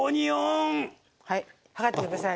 はい。